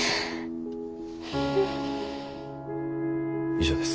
以上です。